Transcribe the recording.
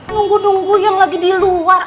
nunggu nunggu yang lagi di luar